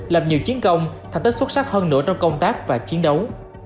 lập nhiều chiến công thành tích xuất sắc hơn nữa trong công tác và chiến đấu